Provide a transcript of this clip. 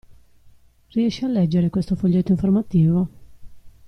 Riesci a leggere questo foglietto informativo?